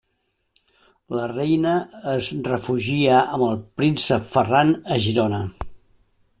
La reina es refugia amb el príncep Ferran a Girona.